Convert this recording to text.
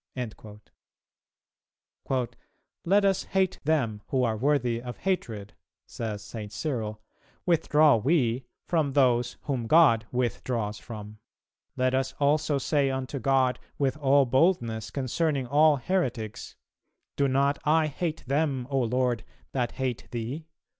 "[269:5] "Let us hate them who are worthy of hatred," says St. Cyril, "withdraw we from those whom God withdraws from; let us also say unto God with all boldness concerning all heretics, 'Do not I hate them, O Lord, that hate thee?'"